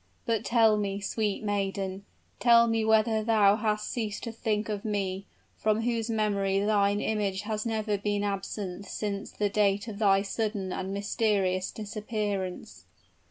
But tell me, sweet maiden, tell me whether thou hast ceased to think of one, from whose memory thine image has never been absent since the date of thy sudden and mysterious disappearance."